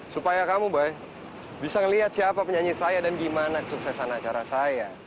supaya kamu bay bisa melihat siapa penyanyi saya dan bagaimana suksesan acara saya